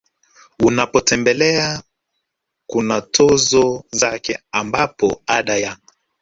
unapotembelea kuna tozo zake ambapo Ada ya